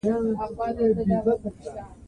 منی د افغان ماشومانو د زده کړې موضوع ده.